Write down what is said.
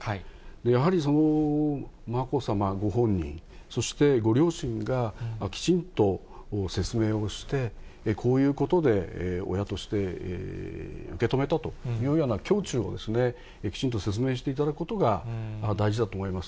やはり、まこさまご本人、そしてご両親がきちんと説明をして、こういうことで親として、受け止めたというような胸中を、きちんと説明していただくことが大事だと思います。